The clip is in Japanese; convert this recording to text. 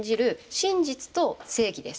真実と正義です」。